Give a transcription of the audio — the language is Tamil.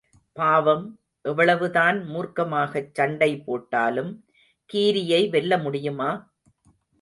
பாவம், எவ்வளவுதான் மூர்க்கமாகச் சண்டை போட்டாலும், கீரியை வெல்ல முடியுமா?